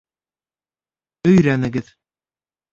Өйрәнегеҙ.